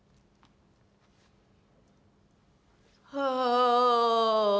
はあ。